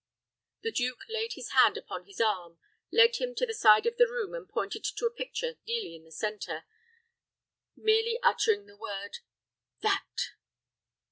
The duke laid his hand upon his arm, led him to the side of the room, and pointed to a picture nearly in the centre, merely uttering the word "That!"